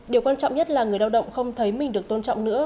điều quan trọng nhất là người lao động không thấy mình được tôn trọng nữa